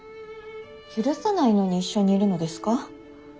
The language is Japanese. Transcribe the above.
許せないのに一緒にいるのですか。